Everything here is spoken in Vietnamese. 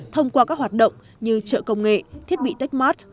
thông qua các hoạt động như trợ công nghệ thiết bị techmart